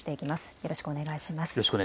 よろしくお願いします。